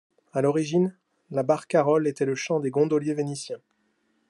À l'origine, la barcarolle était le chant des gondoliers vénitiens.